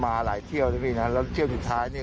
มาหลายเทียวทุกทีแล้วเที่ยวสุดทลาย